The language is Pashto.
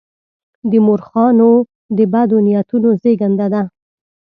د مورخانو د بدو نیتونو زېږنده ده.